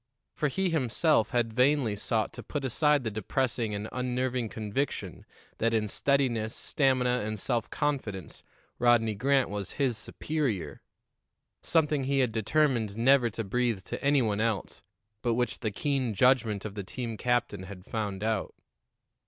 For he himself had vainly sought to put aside the depressing and unnerving conviction that in steadiness, stamina and self confidence, Rodney Grant was his superior; something he had determined never to breathe to any one else, but which the keen judgment of the team captain had found out.